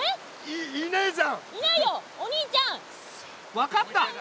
分かった！